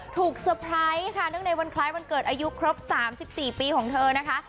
ถูกเซอร์ไพรส์นะคะเนื่องในวันคล้ายวันเกิดอายุครบสามสิบสี่ปีของเธอนะคะ